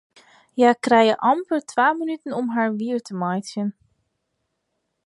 Hja krije amper twa minuten om har wier te meitsjen.